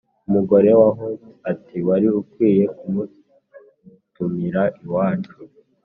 umugore wa hunter ati: "wari ukwiye kumutumira iwacu,